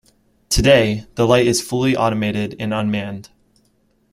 Today, the light is fully automated and unmanned.